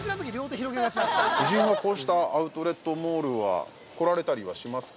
◆夫人はこうしたアウトレットモールは、来られたりはしますか。